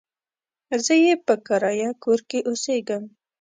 زه يې په کرايه کور کې اوسېږم.